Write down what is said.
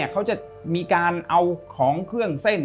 เขาจะมีการเอาของเครื่องเส้น